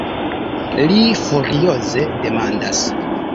Li furioze demandas.